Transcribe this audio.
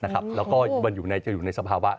แล้วก็จะอยู่ในสภาวะ